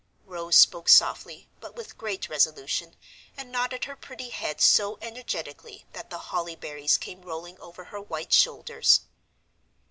Rose spoke softly, but with great resolution, and nodded her pretty head so energetically that the holly berries came rolling over her white shoulders.